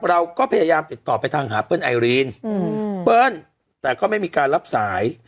เราก็พยายามติดต่อไปทางหาเปิ้ลไอรีนเปิ้ลแต่ก็ไม่มีการรับสาย